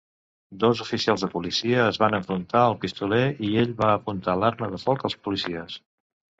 Dos oficials de policia es van enfrontar al pistoler i ell va apuntar l"arma de foc als policies.